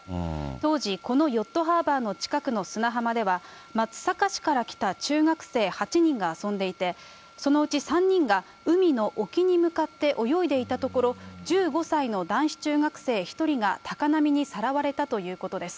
当時、このヨットハーバーの近くの砂浜では、松阪市から来た中学生８人が遊んでいて、そのうち３人が海の沖に向かって泳いでいたところ、１５歳の男子中学生１人が高波にさらわれたということです。